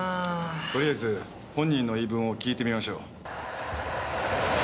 とりあえず本人の言い分を聞いてみましょう。